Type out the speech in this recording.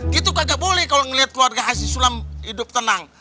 gitu kagak boleh kalau ngelihat keluarga asis sulam hidup tenang